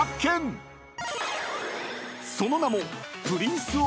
［その名も］